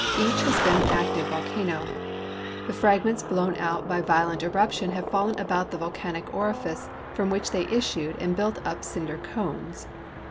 Each has been an active volcano. The fragments blown out by violent eruption have fallen about the volcanic orifice from which the}' issued and built up cinder cones.